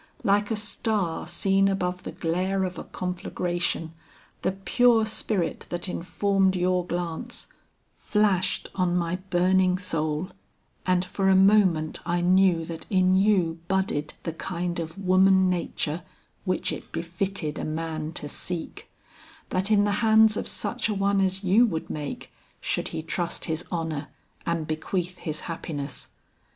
Like a star seen above the glare of a conflagration, the pure spirit that informed your glance, flashed on my burning soul, and for a moment I knew that in you budded the kind of woman nature which it befitted a man to seek; that in the hands of such a one as you would make, should he trust his honor and bequeath his happiness.